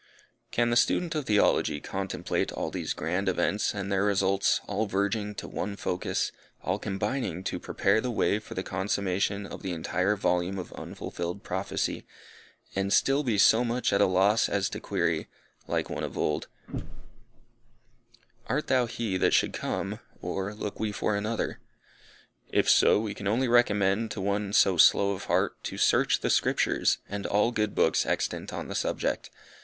Can the student of Theology contemplate all these grand events and their results, all verging to one focus, all combining to prepare the way for the consummation of the entire volume of unfulfilled prophecy, and still be so much at a loss as to query, like one of old, "Art thou he that should come; or, look we for another?" If so, we can only recommend, to one so slow of heart, to search the Scriptures, and all good books extant on the subject.